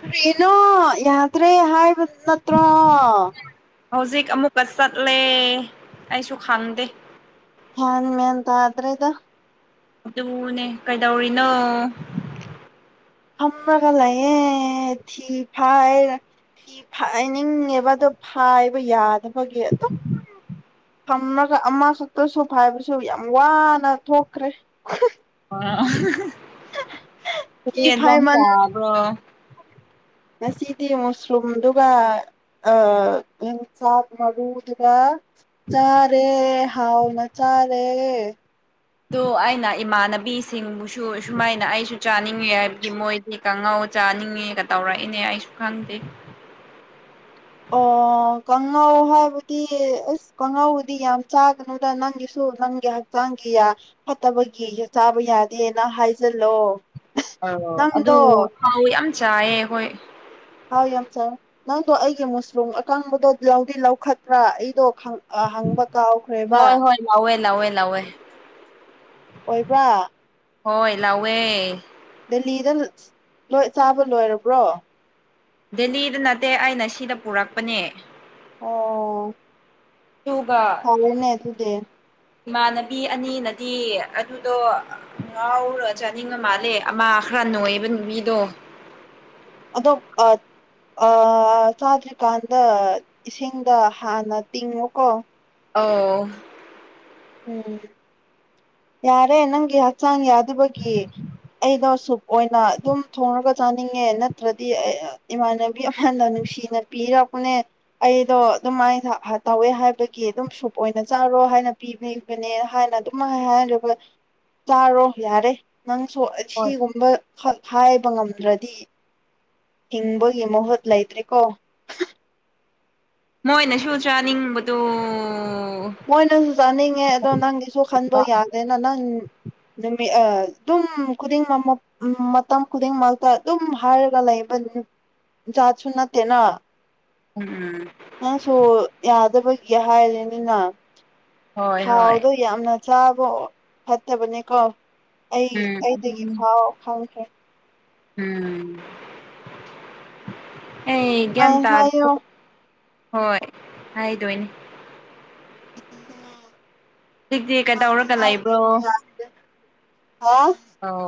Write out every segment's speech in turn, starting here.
ꯀꯔꯤꯅꯣ ꯌꯥꯗ꯭ꯔꯦ ꯍꯥꯏꯕꯗꯨ ꯅꯠꯇ꯭ꯔꯣ ꯍꯧꯖꯤꯛ ꯑꯃꯨꯛꯀ ꯆꯠꯂꯦ ꯑꯩꯁꯨ ꯈꯪꯗꯦ ꯍ ꯃ ꯇ ꯑꯗꯨ꯭ꯔꯦꯒ ꯑꯗꯨꯅꯦ ꯀꯩꯗꯧꯔꯤꯅꯣ ꯐ꯭ꯔꯒꯂꯌꯦ ꯊꯤ ꯐꯥꯏ ꯐꯤ ꯍꯥꯏꯅꯤꯡꯉꯦꯕ ꯑꯗꯣ ꯐꯥꯏꯕ ꯌꯥꯗꯕꯒꯤ ꯑꯗꯨꯝ ꯑꯃꯈꯛꯇꯁꯨ ꯐꯥꯏꯕꯁꯨ ꯌꯥꯝ ꯋꯥꯅ ꯊꯣꯛꯈ꯭ꯔꯦ ꯑ ꯊꯤ ꯐꯥꯏꯃꯟ ꯀꯝꯁ꯭ꯔꯣ ꯉꯁꯤꯗꯤ ꯃꯨꯁꯂꯨꯝꯗꯨꯒ ꯑ ꯏ ꯁꯥꯐ ꯃꯗꯒ ꯆꯥꯔꯦ ꯍꯥꯎꯅ ꯆꯥꯔꯦ ꯑꯗꯨꯣ ꯑꯩꯅ ꯏꯃꯥꯟꯅꯕꯤꯁꯤꯡꯕꯨꯁꯨ ꯁꯨꯃꯥꯏꯅ ꯑꯩꯁꯨ ꯆꯥꯅꯤꯡꯏꯤ ꯍꯥꯏꯕꯒꯤ ꯃꯣꯏꯗꯤ ꯀꯪꯍꯧ ꯆꯥꯅꯤꯡꯉꯦꯒ ꯇꯧꯔꯛꯏꯅꯦ ꯑꯩꯁꯨ ꯈꯪꯗꯦ ꯑꯣ ꯀꯥꯡꯉꯧ ꯍꯥꯏꯕꯗꯤ ꯑꯁ ꯀꯥꯡꯉꯧꯕꯨꯗꯤ ꯌꯥꯝ ꯆꯥꯒꯅꯨꯗ ꯅꯪꯒꯤꯁꯨ ꯅꯪꯒꯤ ꯍꯛꯆꯥꯡꯒꯤ ꯐꯠꯇꯕꯒꯤ ꯆꯥꯕ ꯌꯥꯗꯦꯅ ꯍꯥꯏꯖꯜꯂꯣ ꯑ ꯑꯗꯨ ꯊꯥꯎ ꯌꯥꯝ ꯆꯥꯏꯌꯦ ꯍꯣꯏ ꯑꯥꯎ ꯌꯥꯝ ꯆꯉꯦ ꯅꯪꯗꯣ ꯑꯩꯒꯤ ꯃꯨꯁꯔꯨꯝ ꯑꯀꯪꯕꯗꯣ ꯂꯧꯗꯤ ꯂꯧꯈꯠꯇ꯭ꯔꯥ ꯑꯩꯗꯣ ꯑ ꯍꯪꯕ ꯀꯥꯎꯈ꯭ꯔꯦꯕ ꯍꯣꯏ ꯍꯣꯏ ꯂꯧꯋꯦ ꯂꯋꯦ ꯑꯣꯏꯣꯏꯕꯥ ꯍꯣꯏ ꯂꯎꯋꯦ ꯂꯤꯂꯤꯗ ꯆꯥꯕ ꯂꯣꯏꯔꯕ꯭ꯔꯣ ꯗꯦꯍꯤꯗ ꯅꯠꯇꯦ ꯑꯩꯅ ꯁꯤꯗ ꯄꯨꯔꯛꯄꯅꯦ ꯑꯣ ꯑꯗꯨꯒ ꯐꯔꯦꯅꯦ ꯇꯨꯗꯦ ꯏꯃꯥꯟꯅꯕꯤ ꯑꯅꯤꯅꯗꯤ ꯑꯗꯨꯗꯣ ꯉꯥꯎꯔ ꯆꯥꯅꯤꯡꯉ ꯃꯥꯜꯂꯦ ꯑꯃ ꯈꯔ ꯀꯟꯣ ꯏꯕ ꯅꯨꯄꯤꯗꯣ ꯑꯗꯣ ꯑ ꯑ ꯆꯥꯗ꯭ꯔꯤꯀꯥꯟꯗ ꯏꯁꯤꯡꯗ ꯍꯥꯟꯅ ꯇꯤꯡꯉꯨꯀꯣ ꯑꯣ ꯎꯝ ꯌꯥꯔꯦ ꯅꯪꯒꯤ ꯍꯛꯆꯥꯡ ꯌꯥꯗꯕꯒꯤ ꯑꯩꯗꯣ ꯁꯨꯞ ꯑꯣꯏꯅ ꯑꯗꯨꯝ ꯊꯣꯡꯉꯒ ꯆꯥꯅꯤꯡꯉꯦ ꯅꯠꯇ꯭ꯔꯗꯤ ꯏꯃꯥꯟꯅꯕꯤ ꯑꯃꯅ ꯅꯨꯡꯁꯤꯅ ꯄꯤꯔꯛꯄꯅꯦ ꯑꯩꯗꯣ ꯑꯗꯨꯃꯥꯏꯅ ꯇꯧꯋꯦ ꯍꯥꯏꯕꯒꯤ ꯑꯗꯨꯝ ꯁꯞ ꯑꯣꯏꯅ ꯆꯥꯔꯣ ꯍꯥꯏꯅ ꯄꯤꯕꯤꯕꯅꯦ ꯍꯥꯏꯅ ꯑꯗꯨꯝ ꯍꯥꯏ ꯆꯥꯔꯣ ꯌꯥꯔꯦ ꯅꯪꯁꯨ ꯍꯣꯏ ꯑꯁꯤꯒꯨꯝꯕ ꯍꯥꯏꯕ ꯉꯝꯗ꯭ꯔꯗꯤ ꯍꯤꯡꯕꯒꯤ ꯃꯣꯍꯠ ꯂꯥꯏꯇ꯭ꯔꯤ ꯀꯣ ꯃꯣꯏꯅꯁꯨ ꯆꯥꯅꯤꯡꯕꯗꫭ ꯃꯣꯏꯅꯁꯨ ꯆꯥꯅꯤꯡꯉꯦ ꯑꯗꯣ ꯅꯪꯒꯤꯁꯨ ꯈꯟꯕ ꯌꯥꯗꯦꯅ ꯅꯪ ꯅꯨꯃꯤꯠ ꯑ ꯑꯗꯨꯝ ꯈꯨꯗꯤꯡꯃꯛ ꯃꯇꯝ ꯈꯨꯗꯤꯡꯃꯛꯇ ꯑꯗꯨꯝ ꯍꯥꯏꯔꯒ ꯂꯩ ꯂꯩꯕꯅ‌ꯦ ꯆꯥꯠꯁꯨ ꯅꯠꯇ‌ꯦꯅ ꯎꯝ ꯅꯪꯁꯨ ꯌꯥꯗꯕꯒꯤ ꯍꯥꯏꯔꯤꯅꯤꯅ ꯍꯣꯏ ꯍꯣꯏ ꯊꯥꯎꯗꯣ ꯌꯥꯝꯅ ꯆꯥꯕ ꯐꯠꯇꯕꯅꯤꯀꯣ ꯑꯩ ꯎꯝ ꯑꯩꯗꯒꯤ ꯑꯗꯨꯅꯤ ꯊꯥꯎ ꯈꯪꯈ꯭ꯔꯦ ꯎꯝ ꯑꯦ ꯑꯩ ꯒꯥ꯭ꯌꯟꯇ ꯍꯥꯏꯌꯣ ꯍꯣꯏ ꯍꯥꯏꯗꯣꯏꯅꯤ ꯍꯧꯖꯤꯛꯇꯤ ꯀꯩꯗꯧꯔꯒ ꯂꯩꯕ꯭ꯔꯣ ꯑꯎ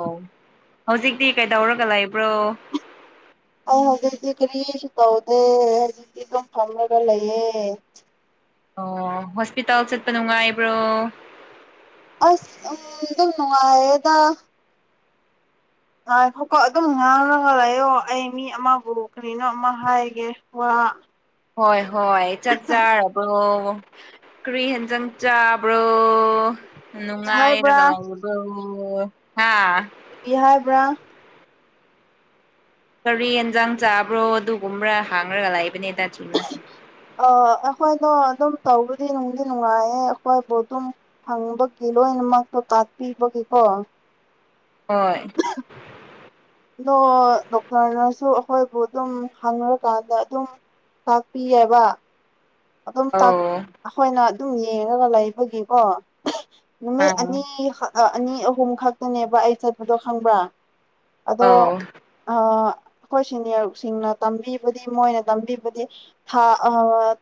ꯍꯧꯖꯤꯛꯇꯤ ꯀꯩꯗꯧꯔꯒ ꯂꯩꯕ꯭ꯔꯣ ꯑꯩ ꯍꯧꯖꯤꯛꯇꯤ ꯀꯔꯤꯁꯨ ꯇꯧꯗꯦ ꯍꯧꯖꯤꯛꯇꯤ ꯑꯗꯨꯝ ꯐꯝꯃꯒ ꯂꯩꯌꯦ ꯑꯣ ꯍꯣꯁꯄꯤꯇꯥꯜ ꯆꯠꯄ ꯅꯨꯡꯉꯥꯏꯕ꯭ꯔꯣ ꯑꯁ ꯅꯨꯡꯗꯤ ꯀꯥꯏꯌꯦꯗ ꯉꯈꯀꯣ ꯑꯗꯨꯝ ꯉꯥꯡꯉꯒ ꯂꯩꯥꯌꫭ ꯑꯩ ꯃꯤ ꯑꯃꯕꯨ ꯀꯔꯤꯅꯣ ꯑꯃ ꯍꯥꯏꯒꯦ ꯋꯥ ꯑ ꯍꯣꯏ ꯍꯣꯏ ꯆꯥꯛ ꯆꯥꯔꯕ꯭ꯔꯣ ꯀꯔꯤ ꯍꯦꯟꯖꯪ ꯆꯥꯕ꯭ꯔꯣ ꯑꯣ ꯀꯔꯤ ꯍꯥꯏꯕ꯭ꯔꯥ ꯅꯨꯡꯉꯥꯏꯔꯒ ꯂꯩꯕ꯭ꫪꫭ ꯍꯥ ꯀꯔꯤ ꯍꯥꯏꯕ꯭ꯔꯥ ꯀꯔꯤ ꯑꯦꯟꯁꯥꯡ ꯆꯥꯕ꯭ꯔꯣ ꯑꯗꯨꯒꯨꯝꯕ꯭ꯔꯥ ꯍꯥꯡꯉꯒ ꯂꯩꯕꯅꯦꯗ ꯆꯨꯝꯅ ꯑ ꯑꯩꯈꯣꯏꯗꯣ ꯑꯗꯨꯝ ꯇꯧꯕꯗꯤ ꯅꯨꯡꯗꯤ ꯅꯨꯡꯉꯥꯏꯌꯦ ꯑꯩꯈꯣꯏꯕꯨ ꯑꯗꯨꯝ ꯐꯪꯕꯒꯤ ꯂꯣꯏꯅꯃꯛ ꯇꯀꯥꯄꯤꯕꯒꯤ ꯀꯣ ꯍꫭꯏ ꯑꯗꯣ ꯗꯣꯛꯇꯔꯅꯁꯨ ꯑꯩꯈꯣꯏꯕꯨ ꯑꯗꯨꯝ ꯍꯪ꯭ꯔꯀꯥꯟꯗ ꯑꯗꯨꯝ ꯇꯥꯛꯄꯤ ꯌ‌ꯦꯕ ꯑꯗꯨꯝ ꯇꯥꯛ ꯑꯧ ꯑꯩꯈꯣꯏꯅ ꯑꯗꯨꯝ ꯌꯦꯡꯉꯒ ꯂꯩꯕꯒꯤꯀꯣ ꯅꯨꯃꯤꯠ ꯑꯥ ꯑꯅꯤ ꯑꯅꯤ ꯑꯍꯨꯝ ꯈꯛꯇꯅꯦꯕ ꯑꯩ ꯆꯠꯄꯗꯣ ꯈꯪꯕ꯭ꯔꯥ ꯑꯗꯣ ꯑꯧ ꯑ ꯑꯩꯈꯣꯏ ꯁꯤꯅꯤꯌꯔ ꯁꯤꯡꯅ ꯇꯝꯕꯤꯕꯗꯤ ꯃꯣꯏꯅ ꯇꯝꯕꯤꯕꯗꯤ ꯊꯥ ꯑ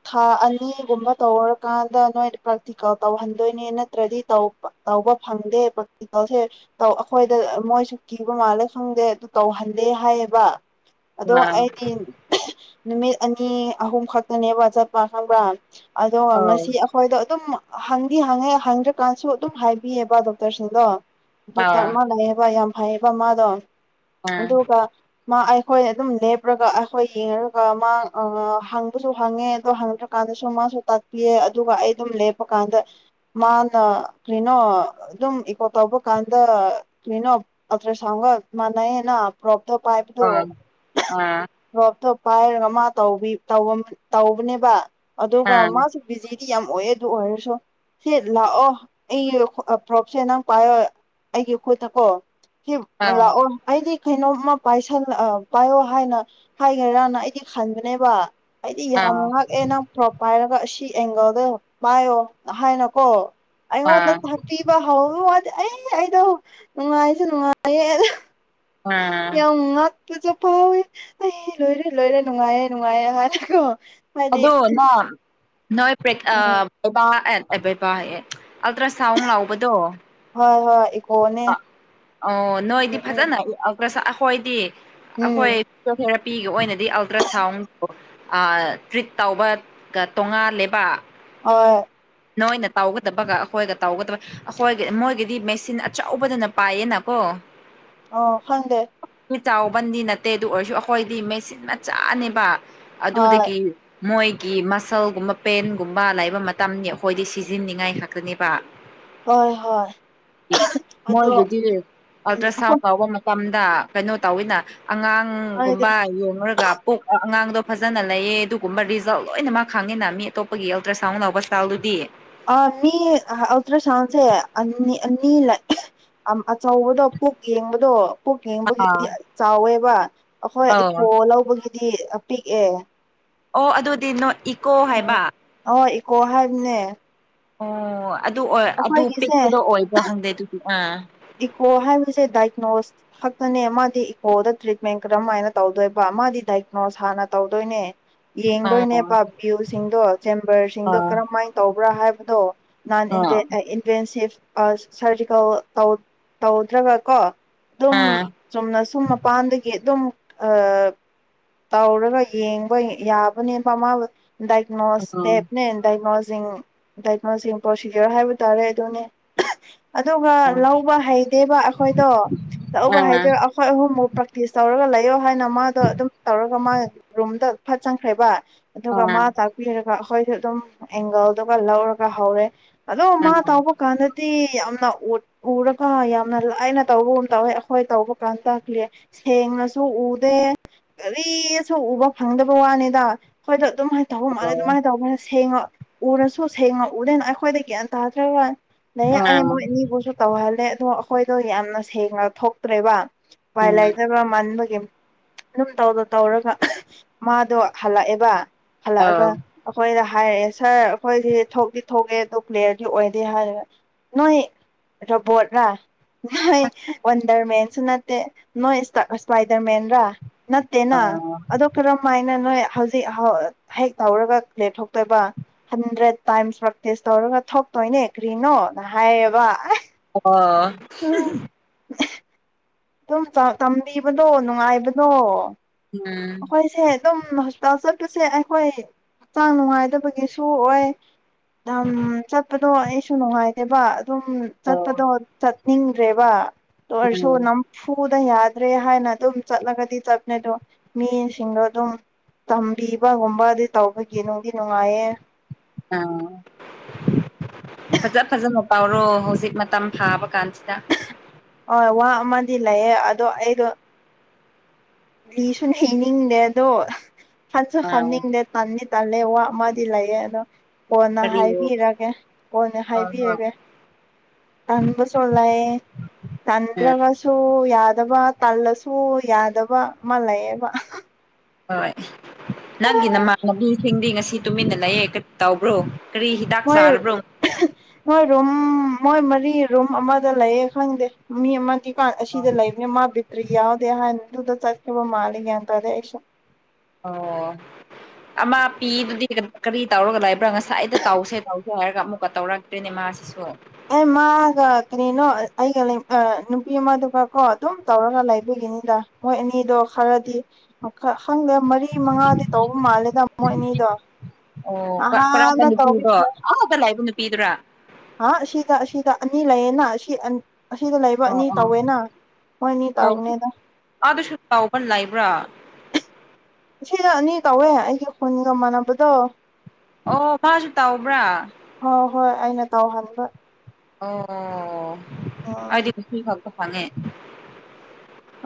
ꯊꯥ ꯑꯅꯤꯒꯨꯝꯕ ꯇꯧꯔꯀꯥꯟꯗ ꯅꯣꯏꯗ ꯄ꯭ꯔꯥꯛꯇꯤꯀꯦꯜ ꯇꯧꯍꯟꯗꯣꯏꯅꯦ ꯅꯠꯇ꯭ꯔꯗꯤ ꯇꯧꯄ ꯇꯧ ꯇꯧꯕ ꯐꯪꯗꯦ ꯄ꯭ꫪꯥꯛꯇꯤꯀ‌ꯦꯜꯁ‌ꯦ ꯇꯧ ꯑꯩꯈꯣꯏꯗ ꯃꯣꯏꯁꯨ ꯀꯤꯕ ꯃꯥꯜꯂꯦ ꯈꯪꯗꯦ ꯑꯗꯨ ꯇꯧꯍꯜꯂꯦ ꯍꯥꯏꯌꯦꯕ ꯑꯗꯣ ꯑꯥ ꯑꯩꯗꯤ ꯅꯨꯃꯤꯠ ꯑꯅꯤ ꯑꯍꯨꯝ ꯈꯛꯇꯅꯦꯕ ꯆꯠ ꯈꯪꯕ꯭ꯔꯥ ꯑꯗꯨꯒ ꯑꯧ ꯉꯁꯤ ꯑꯩꯈꯣꯏꯗꯣ ꯑꯗꯨꯝ ꯍꯪꯗꯤ ꯍꯪꯉꯦ ꯍꯪꯗ꯭ꯔꯀꯥꯟꯁꯨ ꯑꯗꯨꯝ ꯍꯥꯏꯕꯤꯑꯕ ꯗꯣꯛꯇꯔꯁꯤꯡꯗꯣ ꯗꯣꯛꯇꯔ ꯑꯥ ꯑꯃ ꯂꯩꯌꯦꯕ ꯌꯥꯝ ꯐꯩꯌꯦꯕ ꯃꯥꯗꯣ ꯑꯥ ꯑꯥ ꯑꯗꯨꯒ ꯃꯥ ꯑꯩꯈꯣꯏ ꯑꯗꯨꯝ ꯂꯦꯞꯔꯒ ꯑꯩꯈꯣꯏ ꯌꯦꯡꯉꯒꯀꫭ ꯃꯥ ꯍꯪꯕꯁꯨ ꯍꯪꯉꯦ ꯑꯗꯣ ꯍꯪꯗ꯭ꯔꯀꯥꯟꯗꯁꯨ ꯃꯥꯁꯨ ꯇꯥꯛꯄꯤꯌꯦ ꯑꯗꯨꯒ ꯑꯩ ꯑꯗꯨꯝ ꯂꯦꯞꯄꯀꯥꯟꯗ ꯃꯥꯅ ꯀꯩꯅꯣ ꯑ ꯑꯗꯨꯝ ꯏꯀꯣ ꯇꯧꯕ ꯀꯥꯟꯗ ꯀꯩꯅꯣ ꯑꯇ꯭ꯔ ꯁꯟꯉꫭ ꯃꯥꯟꯅꯩꯅ ꯄꫪꫭꯛ ꯄꯥꯏꯕꯗꯣ ꯑꯥ ꯑꯥ ꯑꯥ ꯔꯣꯞꯇ ꯄꯥꯏꯔꯒ ꯃꯥ ꯇꯧꯕꯤ ꯇꯧꯕ ꯇꯧꯅꯦꯕ ꯑꯗꯨꯒ ꯃꯥꯁꯨ ꯕꯤꯖꯤ ꯕꯤꯖꯤ ꯌꯥꯝ ꯑꯣꯏꯑꯦ ꯑꯗꯨ ꯑꯣꯏꯔꯁꯨ ꯁꯤ ꯂꯥꯛꯑꯣ ꯑꯩ ꯄ꯭ꯔꯣꯞꯁꯦ ꯅꯪ ꯄꯥꯏꯌꯣ ꯑꯩꯒꯤ ꯈꯨꯠꯇ ꯀꯣ ꯁꯤ ꯂꯥꯛꯑꯣ ꯑꯩꯗꯤ ꯀꯩꯅꯣꯝꯃ ꯄꯥꯏꯁꯜꯂ ꯑ ꯄꯥꯏꯌꯣ ꯍꯥꯏꯅ ꯍꯥꯏꫪ‌ꯦꯔꯥꯅ ꯑꯩꯗꯤ ꯈꯟꯕꯅꯦꯕ ꯑꯩꯗꯤ ꯑꯥ ꯌꯥꯝ ꯑꯥ ꯉꯥꯛ ꯇꯣꯞ ꯄꯥꯏꯔꯒ ꯑꯁꯤ ꯑꯦꯡꯒꯜꯗ ꯄꯥꯏꯌꯣ ꯍꯥꯏꯅꯀꯣ ꯑꯣ ꯅ ꯍꯇꯤꯕꯋꯅꯤ ꯑꯩ ꯑꯩꯗꯣ ꯅꯨꯡꯉꯥꯏꯁꯨ ꯅꯨꯡꯉꯥꯏꯌꯦ ꯑꯗꯨ ꯑꯥ ꯌꯥꯝ ꯉꯛ ꯄꯨꯁꯨ ꯐꯥꯎꯋꯦ ꯑꯩ ꯂꯣꯏꯔꯦ ꯂꯣꯏꯔꯦ ꯅꯨꯡꯉꯥꯏꯌꯦ ꯅꯨꯡꯉꯥꯏꯌꯦ ꯍꯥꯏꯔꯦꯀꯣ ꯑꯗꯨ ꯅ ꯅꯣꯏ ꯄꫪ‌ꯦꯛ ꯎꯝ ꯑ ꯑꯩꯕꯩꯕꯥ ꯍꯥꯏꯌ‌ꯦ ꯑꯜꯇ꯭ꯔꯥꯁꯥꯎꯟ ꯂꯥꯎꯕꯗꯣ ꯍꯣꯏ ꯍꯣꯏ ꯏꯀꯣꯅꯦ ꯑ ꯑꯣ ꯅ ꯎꯝ ꯏꯗꯤ ꯎꯝ ꯐꯖꯅ ꯑꯩꯈꯣꯏꯗꯤ ꯑꯩꯈꯣꯏ ꯎꯝ ꯐꯤꯦ ꯅꯨꯄꯤꯒ ꯑꯣꯏꯅꯗꯤ ꯑꯜꯇ꯭ꯔ ꯁꯥꯎꯟ ꯇ꯭ꯔꯤꯠ ꯇꯧꯕ ꯇꯣꯉꯥꯂꯦꯕ ꯍꯣꯏ ꯅꯣꯏꯅ ꯇꯧꯒꯗꯕꯒ ꯑꯩꯈꯣꯏꯒ ꯇꯧꯒꯗꯕ ꯑꯩꯈꯣꯏ ꯃꯣꯏꯒꯤꯗꯤ ꯃꯦꯆꯤꯟ ꯑꯆꯧꯕꯗꯨꯅ ꯄꯥꯏꯌꯦꯅꯀꯣ ꯑ ꯑꯣ ꯍꯪꯗꯦ ꯆꯥꯎꯕꯟꯗꯤ ꯅꯠꯇꯦ ꯑꯗꯨ ꯑꯣꯏꯔꯁꯨ ꯑꯩꯈꯣꯏꯗꯤ ꯃꯦꯆꯤꯟ ꯃ ꯆꯥꯅꯦꯕ ꯍꯣꯏ ꯑꯗꯨꯗꯒꯤ ꯃꯣꯏꯒꯤ ꯃꯁꯜꯒꯨꯝꯕ ꯄꯦꯟꯒꯨꯝꯕ ꯂꯩꯕ ꯃꯇꯝꯅꯤ ꯑꯩꯈꯣꯏꯗꯤ ꯁꯤꯖꯤꯟꯅꯅꯤꯡꯉꯥꯏ ꯈꯥꯛꯇꯅꯦꯕ ꯍꯣꯏ ꯍꯣꯏ ꯃꯣꯏ ꯑꯗꯣ ꯑꯗꯨꯗꯤ ꯎꯝ ꯑꯜꯇ꯭ꯔꯥꯁꯥꯎꯟ ꯑꯩꯈꯣꯏ ꯌꯥꯎꯕ ꯃꯇꯝ ꯀꯩꯅꯣ ꯇꯧꯋꯤꯅ ꯍꯥꯏꯗꯤ ꯑꯉꯥꯡꯒꯨꯝꯕ ꯌꯦꯡꯉꯨꯔꯒꯣꯛ ꯑꯉꯥꯡꯗꯣ ꯐꯖꯅ ꯂꯩꯌꯦ ꯑꯗꯨꯒꯨꯝꯕ ꯔꯤꯖꯜ ꯂꯣꯏꯅꯃꯛ ꯈꯪꯉꯤꯅ ꯃꯤ ꯑꯇꯣꯞꯄꯒꯤ ꯑꯜꯇ꯭ꯔ ꯁꯥꯎꯟ ꯂꯧꯕ ꯁ꯭ꯇꯥꯥꯏꯜꯗꯨꯗꯤ ꯑ ꯃꯤ ꯑꯇ꯭ꯔ ꯁꯥꯎꯟꯁꯦ ꯑꯅꯤ ꯑꯆꯧꯕꯗꯣ ꯀꯛ ꯌꯦꯡꯕꯗꯣ ꯀꯛ ꯑꯥ ꯌꯦꯡꯕꯒꯤꯗꯤ ꯌꯥꯝ ꯆꯥꯎꯋꯦꯕ ꯑꯩꯈꯣꯏ ꯑꯧ ꯏꯀꯣ ꯂꯧꯕꯒꯤ ꯗꯤꯄꯤꯛ ꯑꯦ ꯑꯣ ꯑꯗꯨꯗꯤ ꯅꯣ ꯏꯀꯣ ꯍꯥꯏꯕ ꯀꯣꯍꯅꯦ ꯑꯣ ꯑꯗꯨ ꯑꯗꯨ ꯄꯤꯛꯄꯗꯣ ꯑꯣꯏꯗ꯭ꯔꯣ ꯈꯪꯗꯦ ꯑꯗꯨꯗꯤ ꯑꯥ ꯏꯀꯣ ꯍꯥꯏꯕꯁꯦ ꯗꯥꯏꯒꯅꯣꯁ ꯈꯛꯇꯅꯦ ꯃꯥꯗꯤ ꯏꯀꯣꯗ ꯇ꯭ꯔꯤꯠꯃꯦꯟ ꯀꯔꯝ ꯍꯥꯏꯅ ꯇꯧꯗꯣꯏꯕ ꯃꯥꯗꯤ ꯗꯥꯏꯒꯅꯣꯁ ꯍꯥꯟꯅ ꯇꯧꯗꯣꯏꯅꯦ ꯌꯦꯡꯗꯣꯏꯅꯦ ꯑꯣ ꯄꯥꯕꯤꯌꯨꯁꯤꯡꯗꯣ ꯆꯦꯝꯕꯔꯁꯤꯡꯗꯣ ꯑꯥ ꯀꯔꯝꯍꯥꯏꯅ ꯇꯧꯕ꯭ꯔꯥ ꯍꯥꯏꯕꯗꯣ ꯅꯟ ꯏꯟꯚꯦꯟꯁꯤꯞ ꯁꯔꯖꯤꯀꯜ ꯇꯧꯗ꯭ꯔꯒ ꯀꯣ ꯑꯥ ꯑꯗꯨꯝ ꯑꯥ ꯆꯨꯝꯅ ꯁꯨꯝ ꯃꯄꯥꯟꯗꯒꯤ ꯑꯗꯨꯝ ꯑ ꯇꯧꯔꯒ ꯌꯦꯡꯕ ꯌꯥꯕꯅꯦꯃꯥꯕꯨ ꯎꯝ ꯑꯥ ꯑꯥ ꯗꯥꯏꯒꯅꯣꯁꯦꯞꯅꯦ ꯗꯥꯏꯅꯣꯁ ꯗꯥꯏꯅꯣꯁꯤꯡ ꯄ꯭ꯔꯣꯁꯤꯗꯤꯔ ꯍꯥꯏꯕ ꯇꯥꯔꯦ ꯑꯗꯨꯅꯦ ꯑꯗꯨꯒ ꯂꯧꯕ ꯍꯩꯇꯦꯕ ꯑꯩꯈꯣꯏꯗꯣ ꯂꯧꯕ ꯍꯩꯗꯕ ꯑꯩꯈꯣꯏ ꯑꯍꯨꯝꯃꯛ ꯄ꯭ꯔꯦꯛꯇꯤꯁ ꯇꯧꯔꯒ ꯂꯩ ꯍꯥꯏꯌꯣ ꯍꯥꯏꯅ ꯃꯥꯗꯣ ꯑꯗꯨꯝ ꯑꯗꯨꯒ ꯃꯥ ꯔꯨꯝꯗ ꯐꯠ ꯆꯪꯈ꯭ꯔꯦꯕ ꯑꯗꯨꯒ ꯃꯥ ꯇꯥꯛꯄꯤꯔꯒ ꯍꯣꯏ ꯑꯗꯨꯝ ꯑꯦꯡꯒꯜꯗꯨꯒ ꯂꯧꯔꯒ ꯍꯧꯔꯦ ꯑꯗꯣ ꯑꯥ ꯃꯥ ꯇꯥꯎꯕ ꯀꯥꯟꯗ ꯤ ꯌꯥꯝꯅ ꯎꯔꯒ ꯌꯥꯝꯅ ꯂꯥꯏꯅ ꯇꯧꯕꯒꯨꯝ ꯇꯧꯋꯦ ꯑꯩꯈꯣꯏ ꯇꯧꯕ ꯀꯥꯟ ꯇꯥꯛꯂꯤ ꯁꯦꯡꯅꯁꯨ ꯎꯗꯦ ꯀꯔꯤꯁꯨ ꯎꯕ ꯐꯪꯗꯕ ꯋꯥꯅꯤꯗ ꯍꯣꯏꯗꯣ ꯑꯗꯨꯃꯥꯏꯅ ꯇꯧꯕ ꯃꯥꯜꯂꯦ ꯑꯣ ꯑꯗꯨꯃꯥꯏꯅ ꯇꯧꯕ ꯃꯥꯜꯂꯦ ꯁꯦꯡꯉꯣ ꯎꯔꯁꯨ ꯁꯦꯡꯅ ꯎꯔꯦꯅ ꯑꯩꯈꯣꯏꯗ ꯒ꯭ꯌꯥꯟ ꯇꯥꯗ꯭ꯔꯒ ꯂꯩ ꯑꯥ ꯑꯩ ꯃꯣꯏꯅꯤꯕꯨꯁꯨ ꯇꯧꯍꯜꯂꯦ ꯑꯗꯣ ꯑꯩꯈꯣꯏꯗꯣ ꯌꯥꯝꯅ ꯁꯦꯡꯅ ꯊꯣꯛꯇ꯭ꯔꯦꯕ ꯋꯥꯏ ꯎꯝ ꯑꯥ ꯂꯥꯏꯗꯕ ꯃꯥꯟꯕꯒꯦ ꯑꯗꯨꯝ ꯇꯧꯗꯣ ꯇꯧꯔꯒ ꯃꯥꯗꯣ ꯍꯜꯂꯛꯑꯦꯕ ꯍꯜꯂꯛꯑꯒ ꯑꯩꯈꯣꯏꯗ ꯍꯥꯏꯔꯛꯑꯦ ꯁꯥꯔ ꯑꯩꯈꯣꯏꯁꯤ ꯊꯣꯛꯗꯤꯤ ꯊꯣꯛꯑꯦ ꯑꯗꯨ ꯄ꯭ꯂꯦꯌꯔꯗꯤ ꯑꯣꯏꯗꯦ ꯍꯥꯏꯔ ꯅꯣꯏ ꯣꯄꯣꯠꯅ ꯅꯣꯏ ꯋꯥꯟꯗꯔꯃꯦꯟꯁꯨ ꯅꯠꯇꯦ ꯅꯣꯏ ꯏꯁꯄꯥꯏꯗꯔ ꯃꯦꯟꯔꯥ ꯅꯠꯇꯦꯅ ꯑꯣ ꯑꯗꯣ ꯀꯔꯝ ꯍꯥꯏꯅ ꯅꯣꯏ ꯍꯧꯖꯤꯛ ꯍꯦꯛ ꯇꯧꯔꯒ ꯂꯦꯠ ꯊꯣꯛꯇꯣꯏꯕ ꯍꯟꯗ꯭ꯔꯦꯠ ꯇꯥꯏꯝꯁ ꯄ꯭ꯔꯥꯛꯛꯇꯤꯁ ꯇꯧꯔꯒ ꯊꯣꯛꯇꯣꯏꯅꯦ ꯀꯔꯤꯅꯣꯅ ꯍꯥꯏꯌꯦꯕ ꯑꯁ ꯑ ꯎꯝ ꯑꯗꯨꯝ ꯇꯝꯕꯤꯕꯗꯣ ꯅꯨꯡꯉꯥꯏꯕꯅꯣ ꯎꯝ ꯀꯣꯏꯁꯦ ꯑꯦꯝ ꯍ ꯆꯠꯄꯁꯦ ꯑꯩꯈꯣꯏ ꯍꯛꯆꯥꯡ ꯅꯨꯡꯉꯥꯏꯗꯕꯒꯤꯁꯨ ꯑꯣꯏ ꯎꯝ ꯆꯠꯄꯗꯣ ꯑꯩꯁꯨ ꯅꯨꯡꯉꯥꯏꯇꯦꯕ ꯑꯗꯨꯝ ꯑꯣ ꯆꯠꯄꯗꯣ ꯆꯠꯅꯤꯡꯗ꯭ꯔꯦꯕ ꯑꯣꯏꯔꯁꯨ ꯎꯝ ꯅꯝ ꯄꯨꯗ ꯌꯥꯗ꯭ꯔꯦ ꯍꯥꯏꯅ ꯑꯗꯨꯝ ꯆꯠꯂꯒꯗꯤ ꯆꯠꯄꯅꯦ ꯑꯗꯣ ꯃꯤꯁꯤꯡꯗꯣ ꯑꯗꯨꯝ ꯇꯝꯕꯤꯕꯒꯨꯝꯕ ꯑꯗꯨ ꯇꯧꯕꯒꯤ ꯅꯨꯡꯗꯤ ꯅꯨꯡꯉꯥꯏꯌꯦ ꯑꯥ ꯐꯖ ꯐꯖꯅ ꯄꯥꯎꯔꯣ ꯍꯧꯖꯤꯛ ꯃꯇꯝ ꯊꯥꯕ ꯀꯥꯟꯁꯤ ꯍꯣꯏ ꯋꯥ ꯑꯃꯗꯤ ꯂꯩꯌꯦ ꯑꯗꯣ ꯑꯩꯗꯣ ꯂꯤꯁꯨ ꯍꯩꯅꯤꯡꯗꯦ ꯑꯗꯣ ꯈꯠꯁꯨ ꯑꯥ ꯍꯥꯞꯅꯤꯡꯗꯦ ꯇꯥꯅꯤ ꯇ ꯋꯥ ꯑꯃꯗꯤ ꯂꯩꯌꯦꯦ ꯑꯗꯣ ꯀꯣꯟꯅ ꯀꯔꯤꯔꯣ ꯍꯥꯏꯕꯤꯔꯒꯦ ꯀꯣꯟꯅ ꯍꯣꯏ ꯍꯣꯏ ꯍꯥꯏꯕꯤꯔꯒꯦ ꯀꯕꯁꯨꯂꯦ ꯑꯥ ꯇꯟ꯭ꯔꯕꯁꯨꯨ ꯌꯥꯗ ꯌꯥꯗꯕ ꯇꯜꯂꯁꯨ ꯌꯥꯗꯕ ꯑꯃ ꯂꯩꯌꯦꯕ ꯍꯣꯏ ꯅꯪꯒꯤ ꯅꯃꯥꯟꯅꯕꯤꯁꯤꯡꯗꯤ ꯉꯁꯤ ꯇꯨꯃꯤꯟꯅ ꯂꯩꯌꯦꯦ ꯇꯕ꯭ꯔꯣ ꯃꯣꯏ ꯃꯣꯏ ꯔꯣꯝ ꯃꯣꯏ ꯃꯔꯤ ꯔꯨꯝ ꯑꯃꯗ ꯂꯩꯌꯦ ꯈꯪꯗꯦ ꯃꯤ ꯑꯃꯗꯤ ꯥꯟ ꯑꯁꯤꯗ ꯂꯩꯕꯅꯦ ꯃꯥ ꯕꯤꯇ꯭ꯔꯤ ꯌꯥꯎꯗꯦ ꯑꯍꯥꯟꯅ ꯑꯗꯨꯗ ꯆꯠꯈꯤꯕ ꯃꯥꯜꯂꯤꯦ ꯀꯌꯥꯟ ꯇꯥꯔꯦ ꯑꯩꯁ ꯑꯣ ꯑꯥ ꯄꯤꯗꯨꯗꯤ ꯀꯔꯤ ꯇꯧꯔꯒ ꯂꯩꯕ꯭ꯔꯥ ꯉꯁꯥꯏ ꯑꯩꯗ ꯇꯧꯁꯦ ꯇꯧꯁꯦ ꯍꯥꯏꯔꯒ ꯑꯃꯨꯛꯀ ꯇꯧꯔꯛꯇꯣꯏꯅꯦ ꯃꯥ ꯄꯥꯁꯁꯣ ꯑꯦ ꯃꯥꯒ ꯀꯔꯤꯅꯣ ꯑꯩꯒ ꯅꯨꯄꯤ ꯑꯃꯗꯨꯒ ꯀꯣ ꯑꯗꯨꯝ ꯇꯧꯔꯒ ꯂꯩꯕꯤꯒ ꯅꯤꯗ ꯍꯣꯏ ꯑꯅꯤꯗꯣ ꯈꯔꯗꯤ ꯈꯪꯗꯦ ꯃꯔꯤ ꯃꯉꯥꯗꯤ ꯇꯧꯕ ꯃꯥꯜꯂꯦ ꯑꯣ ꯀꯔꯝꯕ ꯅꯍꯥꯟꯅ ꯇꯧꯕꯤ ꯅꯨꯄꯤꯗꯣ ꯑꯍꯥꯕ ꯂꯥꯛꯏꯕ ꯅꯨꯄꯤꯗꯨꯔ ꯍꯥ ꯁꯤꯗ ꯁꯤꯗ ꯑꯅꯤ ꯂꯩꯌꯦꯦꯅ ꯁꯤ ꯑꯁꯤꯗ ꯂꯩꯕ ꯑꯣ ꯑꯅꯤ ꯑꯣ ꯇꯧꯋꯦꯅ ꯃꯣꯏ ꯑꯅꯤ ꯑꯣ ꯇꯧꯔꯨꯅꯦꯗ ꯑꯥꯗꯁꯨ ꯇꯧꯕ ꯂꯩꯕ꯭ꯔꯥ ꯁꯤꯅ ꯑꯅꯤ ꯀꯧꯋꯦ ꯑꯩꯒꯤ ꯈꯨꯟꯒ ꯃꯥꯟꯅꯕꯗꯣ ꯑꯣ ꯃꯥꯁꯨ ꯇꯕ꯭ꯔꯥ ꯍꯣꯏ ꯍꯣꯏ ꯑꯩꯅ ꯇꯧ ꯍꯥꯏꯕ ꯑꯣ ꯑꯩꯗꯤꯁꯨ ꯐꯒ ꯐꯉꯦ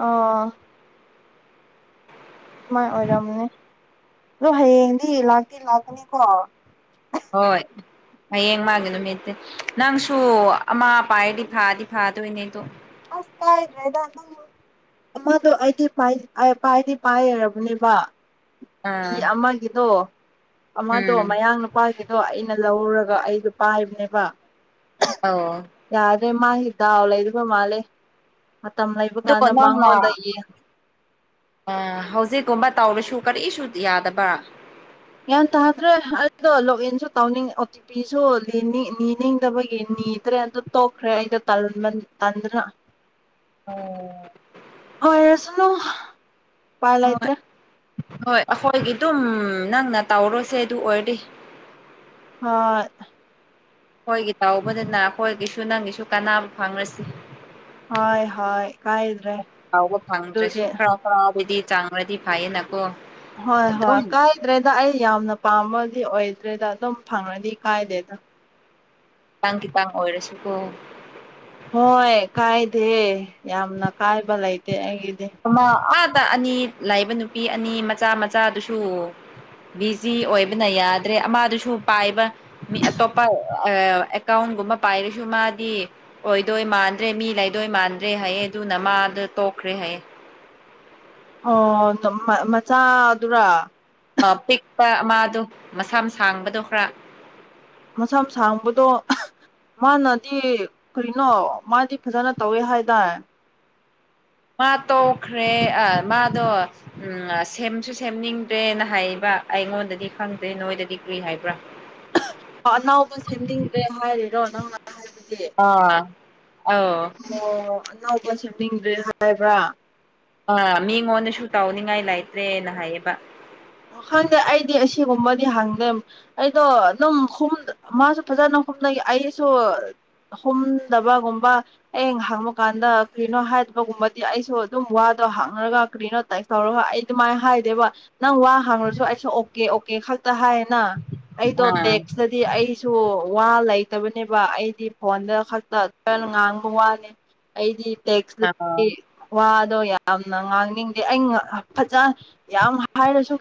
ꯑꯣ ꯑꯗꯨꯃꯥꯏꯅ ꯑꯣꯏꯔꯝꯅꯦ ꯑꯗꯣ ꯍꯌꯦꯡꯗꯤ ꯂꯥꯛꯇꯦ ꯂꯥꯛꯀꯅꯤꯀꯣ ꯍꯣꯏ ꯍꯌꯦꯡ ꯃꯥꯒꯤ ꯅꯨꯃꯤꯠꯇꯤ ꯅꯪꯁꯨ ꯑꯃꯥ ꯑꯄꯥ ꯍꯥꯏꯗꯤ ꯐꯥꯗꯤ ꯐꯥꯗꯣꯏꯅꯦꯗꯣ ꯑꯁ ꯀꯗ꯭ꯔꯦ ꯑꯃꯗꯣ ꯑꯩꯗꯤ ꯄꯥꯏꯗꯤ ꯄꯥꯏꯔꯔꯕꯅꯦꯕ ꯅꯨꯄꯤ ꯑꯥ ꯑꯃꯒꯤꯗꯣ ꯑꯃꯗꯣ ꯎꯝ ꯃꯌꯥꯡ ꯅꯨꯄꯥꯒꯤꯗꯣ ꯑꯩꯅ ꯑꯩꯅ ꯂꯧꯔꯒ ꯑꯩꯗꯣ ꯄꯥꯏꯕꯅꯦꯕ ꯑ ꯃꯔꯦ ꯃꯥ ꯏꯗꯥꯎꯂ ꯏꯗꯤ ꯄ ꯃꯥꯂꯦ ꯑꯗꯨꯒ ꯅꯪꯅ ꯑ ꯍꯧꯖꯤꯛꯀꯨꯝꯕ ꯇꯧꯔꯁꯨ ꯀꯔꯤ ꯁ ꯌꯥꯗꯕ꯭ꯔꯥ ꯒ꯭ꯟ ꯇꯥꯗ꯭ꯔꯦ ꯑꯩꯗꯣ ꯂꯣꯛ ꯏꯟꯁꯨ ꯇꯧꯅꯤꯡꯉ ꯑꯣ ꯇꯤ ꯄꯤꯁꯨ ꯅꯤꯡꯗꯕꯒꯤ ꯅꯤꯗ꯭ꯔꯦ ꯑꯗꯨ ꯇꯣꯛꯈ꯭ꯔꯦ ꯑꯩꯗꯣ ꯇ ꯇꯟꯗꯅ ꯎ ꯑꯣꯏꯣꯏꯔꯁꯅꯨ ꯄꯥꯏ ꯍꯣꯏ ꯂꯩꯇ꯭ꯔꯦ ꯍꯣꯏ ꯑꯩꯈꯣꯏꯒꯤ ꯑꯗꯨꯝ ꯅꯪꯅ ꯇꯧꯔꯨꯁꯦ ꯑꯗꯨ ꯑꯣꯏꯔꯗꯤꯦ ꯑ ꯑꯩꯈꯣꯏꯒꯤ ꯇꯧꯕꯅꯤꯅ ꯑꯩꯈꯣꯏꯒꯤꯁꯨ ꯅꯪꯒꯤꯁꯨ ꯀꯥꯟꯅꯕ ꯐꯪꯉꯁꯤ ꯍꯣꯏ ꯍꯣꯏ ꯀꯥꯏꯗ꯭ꯔꯦ ꯐꯥꯎꯕ ꯑꯗꯨꯗꯤ ꯐꯪꯗ꯭ꯔꯦꯁꯨ ꯈꯔꯥꯎ ꯈꯔꯥꯎꯕꯗꯤ ꯆꯥꯡꯒꯗꯤ ꯐꯥꯏꯌꯦ ꯅ ꯍꯣꯏ ꯍꯣꯏ ꯀꯥꯏꯗ꯭ꯔꯦꯗ ꯑꯩ ꯌꯥꯝꯅ ꯄꯥꯝꯃꯒ ꯗꯤ ꯑꯣꯏꯗ꯭ꯔꯦꯗ ꯑꯗꯨꯝ ꯐꯪꯉꯗꯤ ꯀꯥꯏꯗꯦꯗ ꯄꯥꯡ ꯈꯤ ꯄꯥꯡ ꯑꯣꯏꯔꯁꯨꯀꯣ ꯍꯣꯏ ꯀꯥꯏꯗꯦ ꯌꯥꯝꯅ ꯀꯥꯏꯕ ꯂꯩꯇꯦ ꯑꯩ ꯑꯃ ꯑꯥꯗ ꯑꯅꯤ ꯂꯥꯛꯏꯕ ꯅꯨꯄꯤ ꯑꯅꯤ ꯃꯆꯥ ꯃꯆꯥꯗꯨꯁꯨ ꯕꯤꯖꯤ ꯑꯣꯏꯕꯅ ꯌꯥꯗ꯭ꯔꯦ ꯑꯃꯗꯨꯁꯨ ꯄꯥꯏꯕ ꯃꯤ ꯑꯇꯣꯞꯄ ꯑꯦꯀꯥꯎꯟ ꯨꯒꯨꯝꯕ ꯄꯥꯏꯔꯁꯨ ꯃꯥꯗꯤ ꯑꯣꯏꯗꯣꯏ ꯃꯥꯟꯗ꯭ꯔꯦ ꯃꯤ ꯂꯩꯗꯣꯏ ꯃꯥꯟꯗ꯭ꯔꯦ ꯍꯥꯏꯌꯦ ꯑꯗꯨꯅ ꯃꯥꯗꯨ ꯄꯨꯈ꯭ꯔꯤ ꯍꯩꯌꯦ ꯑꯣ ꯗꯧ ꯃꯆꯥꯗꯨꯔꯣ ꯑ ꯄꯤꯛꯄ ꯑꯃꯥꯗꯣ ꯃꯁꯥꯝ ꯁꯥꯡꯕꯗꯣ ꯈꯔ ꯃꯁꯥꯝ ꯁꯥꯡꯕꯗꯣ ꯑꯍ ꯃꯥꯅꯗꯤ ꯀꯩꯅꯣ ꯃꯥꯗꯤ ꯐꯖꯅ ꯇꯧꯋꯦ ꯍꯥꯏꯗꯥꯏ ꯃꯥ ꯇꯣꯛꯈ꯭ꯔꯦ ꯑ ꯃꯥꯗꯣ ꯑꯝꯑ ꯁꯦꯝꯁꯨ ꯁꯦꯝꯅꯤꯡꯗ꯭ꯔꯦꯅ ꯍꯥꯏꯌꯦꯕ ꯑꯩꯉꯣꯟꯗꯗꯤ ꯈꯪꯗꯦ ꯅꯣꯏꯗꯗꯤ ꯀꯔꯤ ꯍꯥꯏꯕ꯭ꯔꯥ ꯑꯅꯥꯎꯕ ꯁꯦꯝꯅꯤꯡꯗ꯭ꯔꯦ ꯍꯥꯏꯔꯤꯔꯣ ꯅꯧꯅ ꯍꯥꯏꯕꯁꯦ ꯑꯥ ꯑꯧ ꯑꯣ ꯑꯅꯧꯕ ꯁꯦꯝꯅꯤꯡꯗ꯭ꯔꯦ ꯍꯥꯏꯕ꯭ꯔꯥ ꯑ ꯃꯤꯉꯣꯟꯗꯁꯨ ꯇꯧꯅꯤꯡꯉꯥꯏ ꯂꯩꯇ꯭ꯔꯦꯅ ꯍꯥꯏꯌꯦꯕ ꯈꯪꯗꯦ ꯑꯩꯗꯤ ꯑꯁꯤꯒꯨꯝꯕꯗꯤ ꯍꯪꯗꯦ ꯑꯩꯗꯣ ꯑꯗꯨꯝ ꯃꯥꯁꯨ ꯐꯖꯅ ꯅꯒꯤ ꯑꯩꯁꯨ ꯍꯨꯝꯗꯕꯒꯨꯝꯕ ꯍꯌꯦꯡ ꯍꯥꯡꯕ ꯀꯥꯟꯗ ꯀ꯭ꯔꯤꯅꯣ ꯍꯥꯏꯗꯕꯒꯨꯝꯕꯗꯤ ꯑꯩꯁꯨ ꯑꯗꯨꯝ ꯋꯥ ꯑꯗꯣ ꯍꯥꯡꯅꯔꯒ ꯀꯔꯤꯅꯣ ꯇꯥꯏ ꯇꯧꯔꯒ ꯑꯩ ꯑꯗꯨꯃꯥꯏꯅ ꯍꯥꯏꯗꯦꯕ ꯅꯪ ꯋꯥ ꯍꯥꯡꯉꯨꯔꯁꯨ ꯑꯩꯁꯨ ꯑꯣꯀꯦ ꯑꯣꯀꯦ ꯈꯛꯇ ꯍꯥꯏꯌꯦꯅ ꯑꯩꯗꯣ ꯑꯥ ꯇꯦꯛꯁꯇꯗꯤ ꯑꯩꯁꯨ ꯋꯥ ꯂꯩ ꯂꯩꯇꯕꯅꯦꯕ ꯑꯩꯗꯤ ꯐꯣꯟꯗ ꯈꯛꯇ ꯈꯔ ꯉꯥꯡꯕ ꯋꯥꯅꯦ ꯑꯩꯗꯤ ꯇꯦꯛꯁ ꯑꯥ ꯋꯥꯗꯣ ꯌꯥꯝꯅ ꯉꯥꯡꯅꯤꯡꯗꯦ ꯑꯩ ꯉꯑ ꯐꯖꯅ ꯌꯥꯝ ꯍꯥꯏꯔꯁꯨ